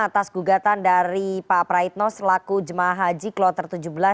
atas gugatan dari pak praitno selaku jemaah haji kloter tujuh belas